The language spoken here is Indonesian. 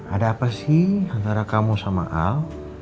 ada apa sih antara kamu sama al